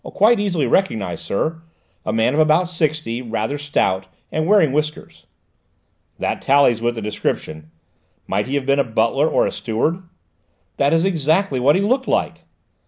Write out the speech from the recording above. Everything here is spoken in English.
"Quite easily recognised, sir; a man of about sixty, rather stout, and wearing whiskers." "That tallies with the description. Might he have been a butler or a steward?" "That is exactly what he looked like."